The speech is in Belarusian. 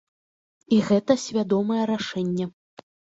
І гэта свядомае рашэнне.